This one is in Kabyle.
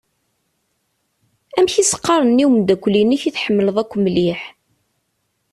Amek i s-qqaṛen i umdakel-inek i tḥemmleḍ akk mliḥ.